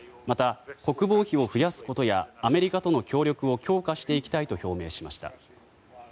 また、国防費を増やすことやアメリカとの協力を強化していきたいと表明しました。